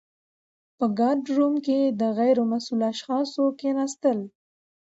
په ګارډ روم کي د غیر مسؤلو اشخاصو کښيناستل .